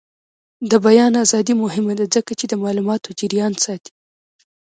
د بیان ازادي مهمه ده ځکه چې د معلوماتو جریان ساتي.